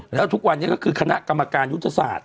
แล้วทุกวันนี้ก็คือคณะกรรมการยุทธศาสตร์